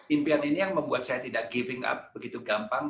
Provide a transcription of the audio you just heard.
impian ini yang membuat saya tidak giving up begitu gampang